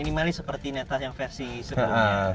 minimalis seperti neta yang versi sebelumnya